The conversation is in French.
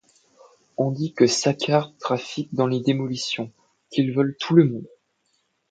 On dit que Saccard trafique dans les démolitions, qu’il vole tout le monde.